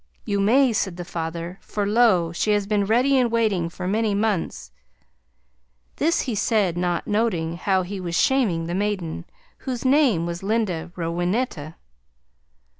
"You may," said the father, "for lo! she has been ready and waiting for many months." This he said not noting how he was shaming the maiden, whose name was Linda Rowenetta.